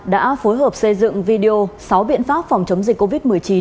đã phối hợp xây dựng video sáu biện pháp phòng chống dịch covid một mươi chín